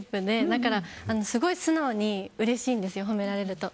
だからすごい素直にうれしいんです褒められると。